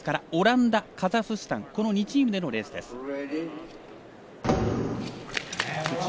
オランダ、カザフスタンでのレースです。